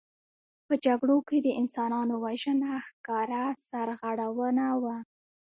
په جګړو کې د انسانانو وژنه ښکاره سرغړونه وه.